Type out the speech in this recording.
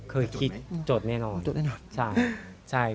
เรารู้สึกจะคิดเห็นอย่างนั้น